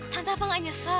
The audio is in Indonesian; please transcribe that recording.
tante apa gak nyesel